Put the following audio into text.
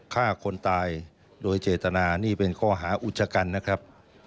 ฆ่าคนตายโดยเจตนานี่เป็นข้อหาอุจจกรรมนะครับ